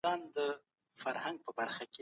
خوله سلفور لرونکي مرکبات تولیدوي.